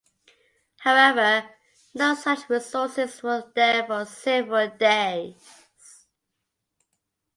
However no such resources were there for several days.